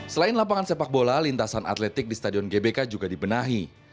selain lapangan sepak bola lintasan atletik di stadion gbk juga dibenahi